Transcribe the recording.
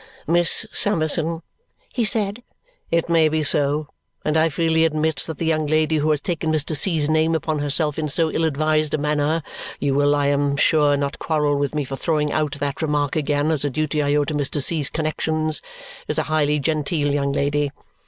"Miss Summerson," he said, "it may be so; and I freely admit that the young lady who has taken Mr. C.'s name upon herself in so ill advised a manner you will I am sure not quarrel with me for throwing out that remark again, as a duty I owe to Mr. C.'s connexions is a highly genteel young lady.